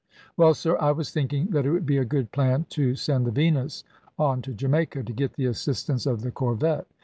"Well, sir, I was thinking that it would be a good plan to send the Venus on to Jamaica, to get the assistance of the corvette.